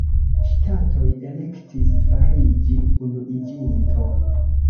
Ŝtatoj elektis fariĝi unuiĝinto.